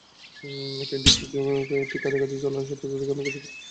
ট্রেনটি ঠিক কাছাকাছি চলে এলে আশপাশ থেকে অনেকেই চিৎকার করে ওঠে।